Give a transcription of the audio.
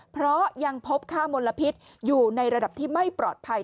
เพราะยังพบค่ามลพิษอยู่ในระดับที่ไม่ปลอดภัย